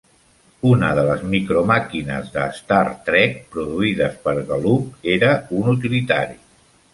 Una de les micro màquines de "Star Trek" produïdes per Galoob era un utilitari.